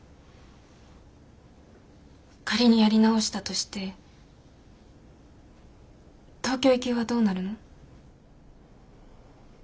仮にやり直したとして東京行きはどうなるの？